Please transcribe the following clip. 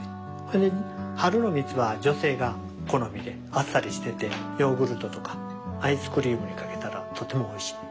で春の蜜は女性が好みであっさりしててヨーグルトとかアイスクリームにかけたらとてもおいしい。